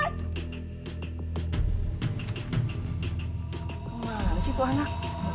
kemana situ anak